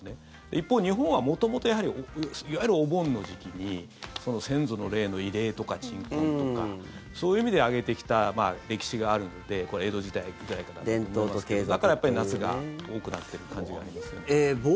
一方、日本は元々いわゆるお盆の時期に先祖の霊の慰霊とか鎮魂とかそういう意味で上げてきた歴史があるので江戸時代くらいからのものだと思いますけどだからやっぱり夏が多くなっている感じがあります。